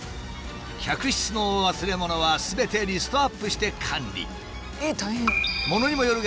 客室の忘れ物はすべてリストアップして管理。